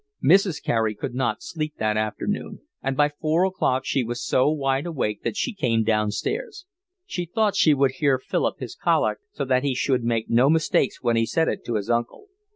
Mrs. Carey could not sleep that afternoon, and by four o'clock she was so wide awake that she came downstairs. She thought she would hear Philip his collect so that he should make no mistakes when he said it to his uncle.